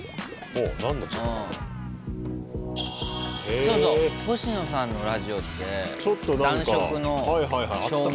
そうそう星野さんのラジオって暖色の照明。